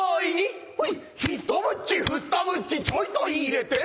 「ひとムチふたムチちょいと入れて」